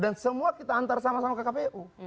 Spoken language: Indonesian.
dan semua kita antar sama sama ke kpu